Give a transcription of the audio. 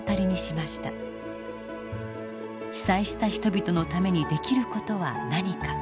被災した人々のためにできる事は何か。